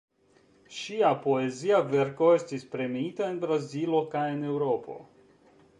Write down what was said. Ŝia poezia verko estis premiita en Brazilo kaj en Eŭropo.